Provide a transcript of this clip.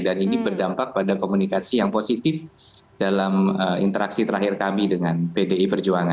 dan ini berdampak pada komunikasi yang positif dalam interaksi terakhir kami dengan pdi